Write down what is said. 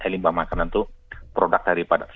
limbah makanan itu produk daripada